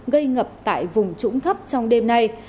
gây ngập tại vùng trũng thấp trong đêm nay